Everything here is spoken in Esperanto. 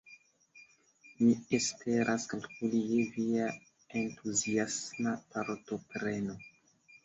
Ni esperas kalkuli je via entuziasma partopreno!